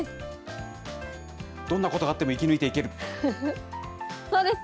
どんなことがあっても生き抜そうです。